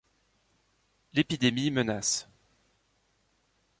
L'épidémie menace.